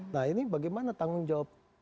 nah ini bagaimana tanggung jawab